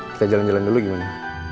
kita jalan jalan dulu gimana